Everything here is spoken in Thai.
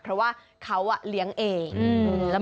เพราะว่าเขาเลี้ยงเอง